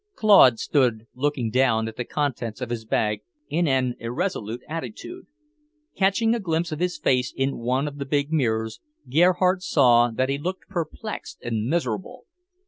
Claude stood looking down at the contents of his bag in an irresolute attitude. Catching a glimpse of his face in one of the big mirrors, Gerhardt saw that he looked perplexed and miserable.